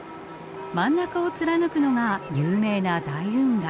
真ん中を貫くのが有名な大運河。